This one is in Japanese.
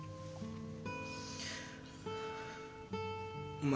お前